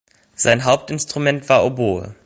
Sein Hauptinstrument war Oboe.